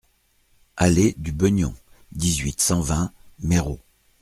Allée du Beugnon, dix-huit, cent vingt Méreau